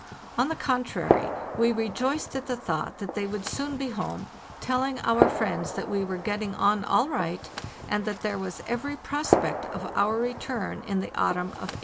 On the contrary, we rejoiced at the thought that they would soon be home, telling our friends that we were getting on all right, and that there was every prospect of our return in the autumn of 1896.